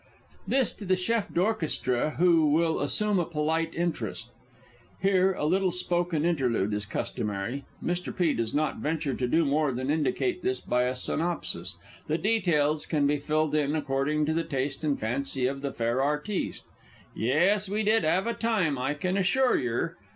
_ [This to the Chef d'Orchestre, who will assume a polite interest. [Here a little spoken interlude is customary. Mr. P. _does not venture to do more than indicate this by a synopsis, the details can be filled in according to the taste and fancy of_ _the fair artiste: "Yes, we did 'ave a time, I can assure yer."